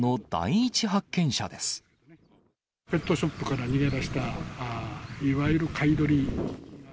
ペットショップから逃げ出した、いわゆる飼い鳥。